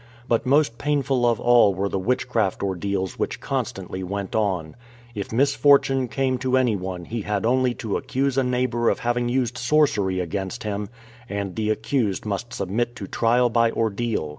But most painful of all were the witch craft ordeals which constantly went on. If misfortune came to any one he had only to accuse a neighbour of having used sorcery against him, and the accused must submit to trial by ordeal.